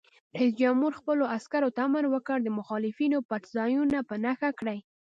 رئیس جمهور خپلو عسکرو ته امر وکړ؛ د مخالفینو پټنځایونه په نښه کړئ!